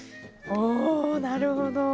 おなるほど。